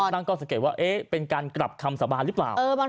ทั้งหลวงผู้ลิ้น